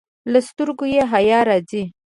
له سترګو یې حیا راځي.